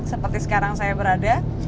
seperti sekarang saya berada